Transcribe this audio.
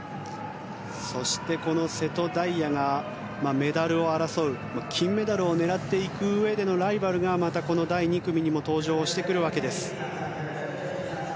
そして瀬戸大也がメダルを争う金メダルを狙っていくうえでのライバルがまた、この第２組にも登場してくるわけです。